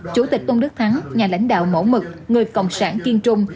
chủ tịch tôn đức thắng nhà lãnh đạo mẫu mực người cộng sản kiên trung